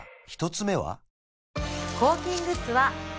１つ目は？